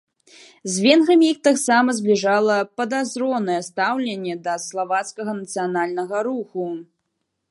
З венграмі іх таксама збліжала падазронае стаўленне да славацкага нацыянальнага руху.